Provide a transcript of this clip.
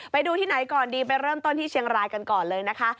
ไปดูที่ไหนก่อนดีไปเริ่มต้นที่เชียงรายกันก่อนเลยนะคะ